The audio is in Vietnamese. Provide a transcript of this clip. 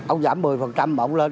ông giảm một mươi mà ông lên